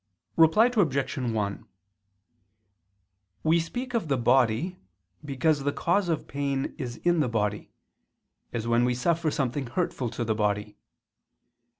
Reply Obj. 1: We speak of the body, because the cause of pain is in the body: as when we suffer something hurtful to the body.